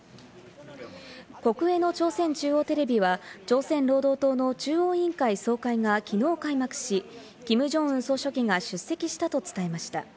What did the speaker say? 国営の朝鮮中央テレビは朝鮮労働党の中央委員会総会がきのう開幕し、キム・ジョンウン総書記が出席したと伝えました。